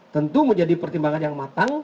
tentu menjadi pertimbangan yang matang